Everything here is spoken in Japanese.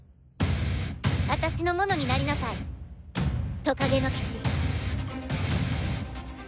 私のものになりなさいトカゲの騎士。